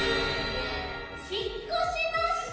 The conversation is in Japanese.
引っ越しました！